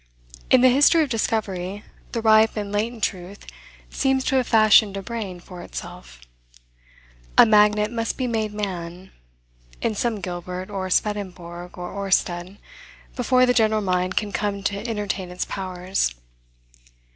In the history of discovery, the ripe and latent truth seems to have fashioned a brain for itself. A magnet must be made man, in some Gilbert, or Swedenborg, or Oersted, before the general mind can come to entertain its powers.